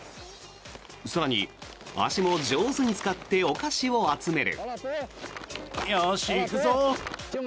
更に、足も上手に使ってお菓子を集める。